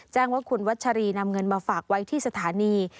แจ้งว่าคุณวัชรีนำเงินมาฝากไว้ที่สถานี